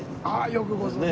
よくご存じで。